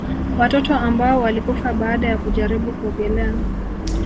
Watoto ambao walikufa baada ya kujaribu kuogelea